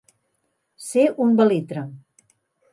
Ser un belitre.